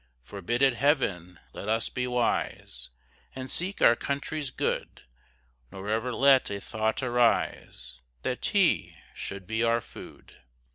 Forbid it Heaven, let us be wise, And seek our country's good; Nor ever let a thought arise That tea should be our food.